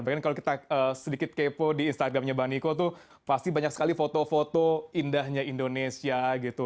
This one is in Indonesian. bahkan kalau kita sedikit kepo di instagramnya bang niko tuh pasti banyak sekali foto foto indahnya indonesia gitu